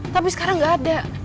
tapi sekarang gak ada